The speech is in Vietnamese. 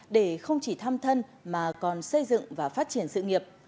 để không chỉ thăm thân mà còn xây dựng và phát triển sự nghiệp